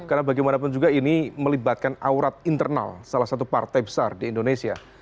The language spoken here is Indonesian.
karena bagaimanapun juga ini melibatkan aurat internal salah satu partai besar di indonesia